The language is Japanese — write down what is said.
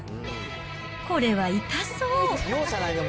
これは痛そう。